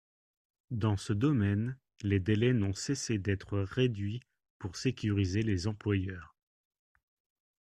Dans ce domaine, les délais n’ont cessé d’être réduits pour sécuriser les employeurs.